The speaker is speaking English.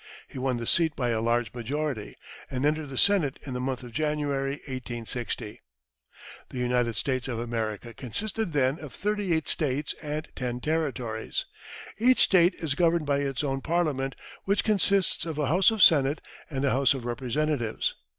He won the seat by a large majority, and entered the Senate in the month of January 1860. The United States of America consisted then of thirty eight States and ten Territories. Each State is governed by its own parliament, which consists of a House of Senate and a House of Representatives.